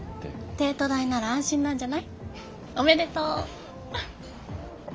帝都大なら安心なんじゃない？おめでとう。